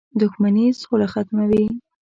• دښمني سوله ختموي.